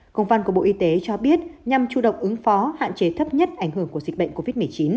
công văn của bộ y tế cho biết nhằm chủ động ứng phó hạn chế thấp nhất ảnh hưởng của dịch bệnh covid một mươi chín